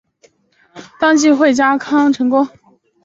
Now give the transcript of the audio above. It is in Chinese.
当季惠家康随成都队在艰苦的条件下冲超成功。